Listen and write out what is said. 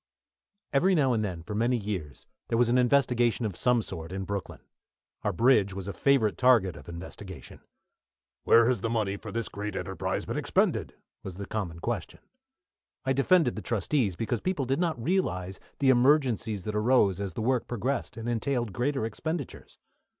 Every now and then, for many years, there was an investigation of some sort in Brooklyn. Our bridge was a favourite target of investigation. "Where has the money for this great enterprise been expended?" was the common question. I defended the trustees, because people did not realise the emergencies that arose as the work progressed and entailed greater expenditures.